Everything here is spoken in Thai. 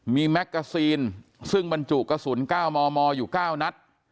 มีแมกส์กระซีนซึ่งมันจุกระสุนก้าวมอมออยู่๙นัด